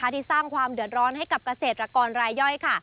ที่สร้างความเดือดร้อนให้กับเกษตรกรรายย่อย